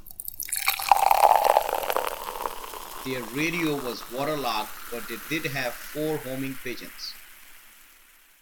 Their radio was waterlogged, but they did have four homing pigeons.